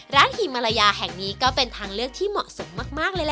หิมาลายาแห่งนี้ก็เป็นทางเลือกที่เหมาะสมมากเลยล่ะ